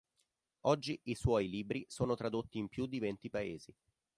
Oggi i suoi libri sono tradotti in più di venti paesi.